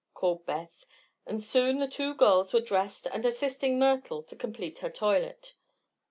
called Beth, and soon the two girls were dressed and assisting Myrtle to complete her toilet.